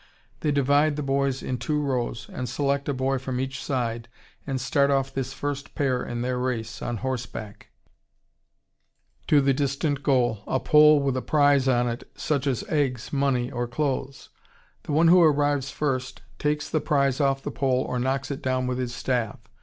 They divide the boys in two rows, and then select a boy from each side, and start off this first pair in their race (on horseback) to the distant goal, a pole with a prize on it such as eggs, money, or clothes. The one who arrives first takes the prize off the pole or knocks it down with his staff.